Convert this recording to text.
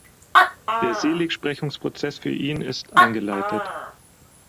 Der Seligsprechungsprozess für ihn ist eingeleitet.